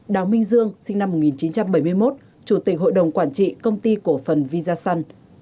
đào minh dương sinh năm một nghìn chín trăm bảy mươi một chủ tịch hội đồng quản trị công ty cổ phần visan